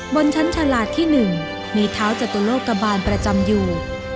บนชั้นฉลาดที่๑มีเท้าจตุโลกบาลประจำอยู่